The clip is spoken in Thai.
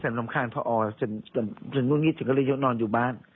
อืมฉันลำคาญอ๋อฉันฉันฉันก็งี้ฉันก็เลยนอนอยู่บ้าน